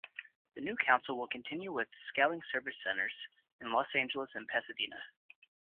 The new Council will continue with Scouting Service centers in Los Angeles and Pasadena.